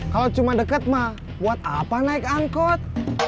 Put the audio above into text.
kalau cuma deket mah buat apa naik angkot